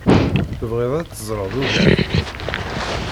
Tebɣiḍ ad teẓreḍ ugar?